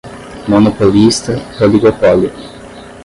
Monopolista, oligopólio